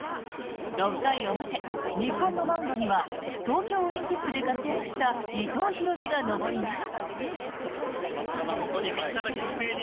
６回表、日本のマウンドには東京オリンピックで活躍した伊藤大海が登ります。